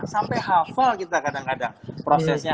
sampai hafal kita kadang kadang prosesnya